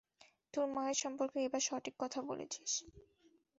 তোর মায়ের সম্পর্কে এইবার সঠিক কথা বলেছিস।